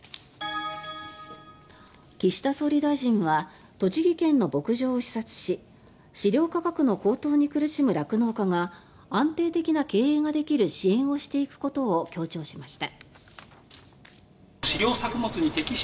岸田総理大臣は栃木県の牧場を視察し飼料価格の高騰に苦しむ酪農家が安定的な経営ができる支援をしていくことを強調しました。